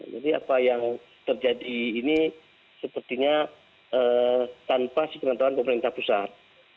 jadi apa yang terjadi ini sepertinya tanpa si kenantauan pemerintah pusat